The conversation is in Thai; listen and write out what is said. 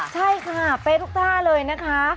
ใช่ค่ะเป๊ะทุกท่าเลยนะคะ